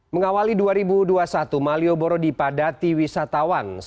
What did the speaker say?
mengawali dua ribu dua puluh satu malioboro dipadati wisatawan